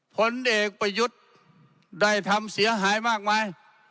ผลเอกประยุทธ์ได้ทำเสียหายมากมาย